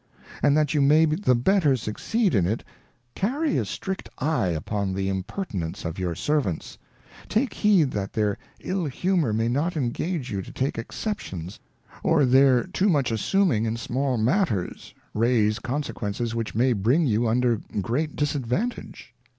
And that you may the better succeed in it, carry a strict Eye upon the Impertinence of your Servants ; take heed that their Hl humour may not engage you to take Exceptions, or their HUSBAND. 19 their too much assuming in small matters, raise Consequences which may bring you under great Disadvantage.